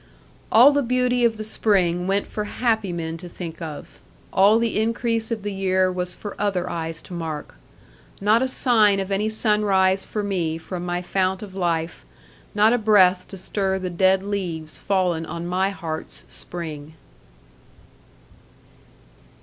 All the beauty of the spring went for happy men to think of; all the increase of the year was for other eyes to mark. Not a sign of any sunrise for me from my fount of life, not a breath to stir the dead leaves fallen on my heart's Spring.